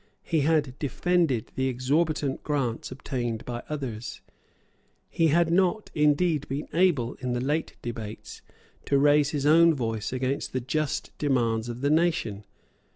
He had defended the exorbitant grants obtained by others. He had not, indeed, been able, in the late debates, to raise his own voice against the just demands of the nation.